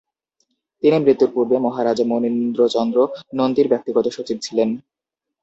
তিনি মৃত্যূর পূর্বে মহারাজা মণীন্দ্রচন্দ্র নন্দীর ব্যক্তিগত সচিব ছিলেন ।